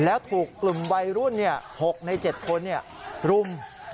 แล้วถูกกลุ่มวัยรุ่น๖ใน๗คนรุม